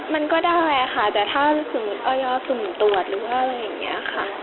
มันก็ได้ค่ะแต่ถ้าสมมุติออยสุ่มตรวจหรือว่าอะไรอย่างนี้ค่ะ